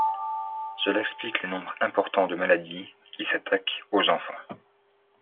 Cela explique le nombre important de maladies qui s'attaquent aux enfants.